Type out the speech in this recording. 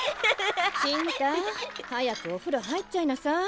信太早くおふろ入っちゃいなさい。